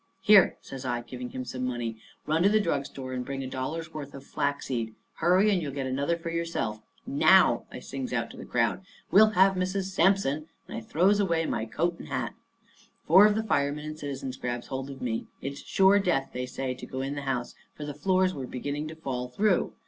"Here," says I, giving him some money, "run to the drug store and bring a dollar's worth of flaxseed. Hurry, and you'll get another one for yourself. Now," I sings out to the crowd, "we'll have Mrs. Sampson!" And I throws away my coat and hat. Four of the firemen and citizens grabs hold of me. It's sure death, they say, to go in the house, for the floors was beginning to fall through.